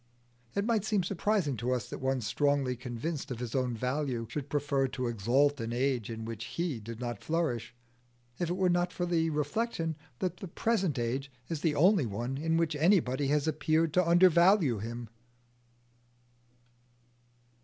It might seem surprising to us that one strongly convinced of his own value should prefer to exalt an age in which he did not flourish, if it were not for the reflection that the present age is the only one in which anybody has appeared to undervalue him.